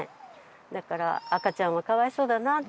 「だから赤ちゃんはかわいそうだな」って